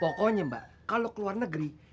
pokoknya mbak kalau keluar negeri